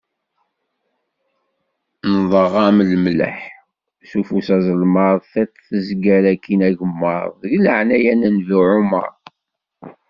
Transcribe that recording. Nnḍeɣ-am lemlaḥ, s ufus aẓelmaḍ, tiṭ tezger akkin agemmaḍ, deg laɛnaya n nnbi Ɛumar.